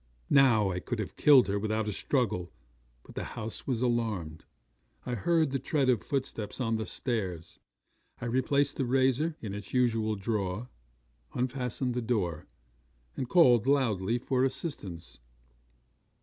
'Now I could have killed her without a struggle; but the house was alarmed. I heard the tread of footsteps on the stairs. I replaced the razor in its usual drawer, unfastened the door, and called loudly for assistance.